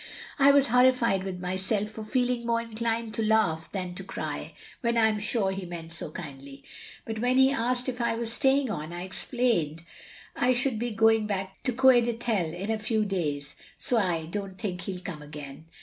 I was horrified with myself for feeling more inclined to laugh than to cry, when I am sure he meant so kindly; but when he asked if I was staying on I explained I should be going back to Coed Ithel in a few days, so I don't think he'll come again.